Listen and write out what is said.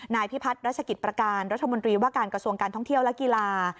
นายพิพัฒน์รัชกิจประการรัฐมนตรีว่าการกระทรวงการท่องเที่ยวและกีฬา